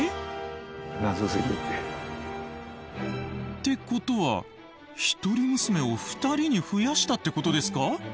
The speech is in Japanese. ってことは一人娘を２人に増やしたってことですか？